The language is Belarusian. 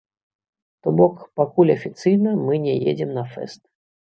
То бок, пакуль афіцыйна мы не едзем на фэст.